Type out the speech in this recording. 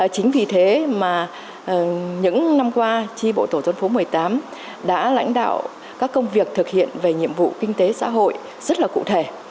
chính vì thế mà những năm qua tri bộ tổ dân phố một mươi tám đã lãnh đạo các công việc thực hiện về nhiệm vụ kinh tế xã hội rất là cụ thể